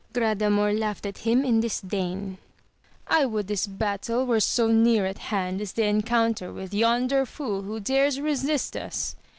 Gra damor laughed at him in disdain — I would this battle were so near at hand as the encounter with yonder fool who dares resist us